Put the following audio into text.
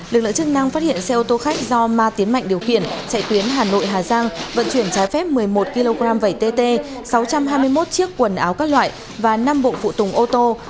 lực lượng chức năng phát hiện xe ô tô khách do ma tiến mạnh điều khiển chạy tuyến hà nội hà giang vận chuyển trái phép một mươi một kg vẩy tt sáu trăm hai mươi một chiếc quần áo các loại và năm bộ phụ tùng ô tô